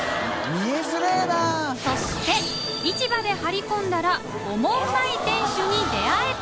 そして市場で張り込んだらオモウマい店主に出会えた！